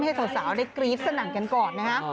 ให้สาวได้กรี๊ดสนั่นกันก่อนนะฮะ